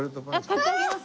買ってあげます